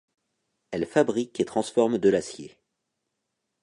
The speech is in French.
Elle fabrique et transforme de l'acier.